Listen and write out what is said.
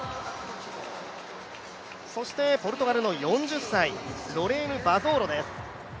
そしてポルトガルの４０歳、ロレーヌ・バゾーロです。